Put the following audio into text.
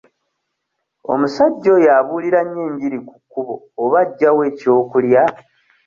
Omusajja oyo abuulira nnyo enjiri ku kkubo oba aggya wa eky'okulya?